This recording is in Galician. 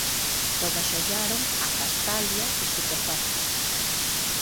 Todas ollaron a Castalia estupefactas.